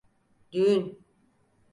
Düğün.